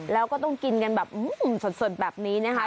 แล้วก็ต้องกินกันแบบสดแบบนี้นะคะ